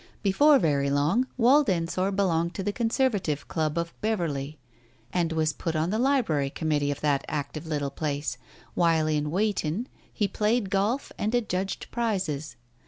Before very long Wald Ensor belonged to the Conservative Club of Beverley, and was put on the Library Committee of that active little place, while in Weighton he played golf, and adjudged prizes.